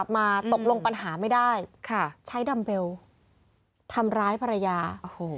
มาตกลงปัญหาไม่ได้ค่ะใช้ดัมเบลทำร้ายภรรยาโอ้โห